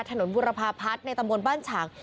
ถนนบุรพาพัฒน์ในตำรวจบ้านฉัง